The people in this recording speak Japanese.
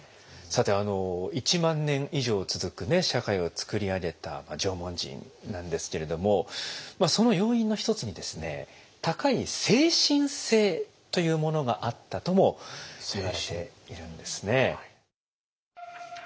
さて１万年以上続く社会を作り上げた縄文人なんですけれどもその要因の一つにですね高い精神性というものがあったともいわれているんですね。